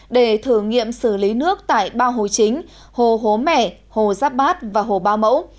để thử nghiệm xử lý nước tại ba hồ chính hồ hố mẹ hồ giáp bát và hồ ba mẫu